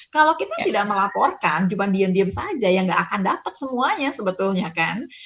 kalau kita tidak melaporkan cuma diam diam saja yang nggak akan dapat semuanya sebetulnya kan